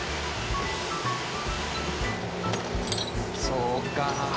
そうか。